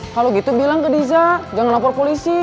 kalau gitu bilang ke diza jangan lapor polisi